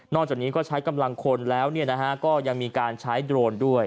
จากนี้ก็ใช้กำลังคนแล้วก็ยังมีการใช้โดรนด้วย